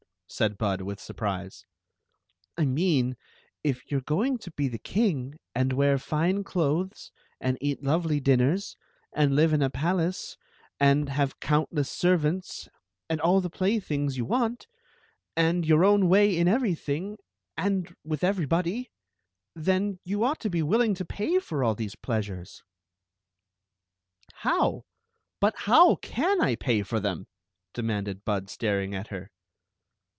said Bud, with surprise. " I mean if you 're going to be the king, and wear fine clothes, and eat lovely dinners, and live in a pal ace, and have countiess servants, and all the playthings you want, and your own way in everything and with everybody— then you ought to be willing to pay for all these pleasures." •mow ? But how can I pay for them ?" demanded Bud, staring at her.